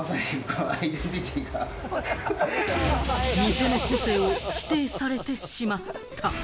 店の個性を否定されてしまった。